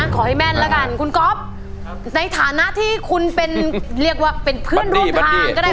ขอให้แม่นแล้วกันคุณก๊อฟในฐานะที่คุณเป็นเรียกว่าเป็นเพื่อนร่วมทางก็ได้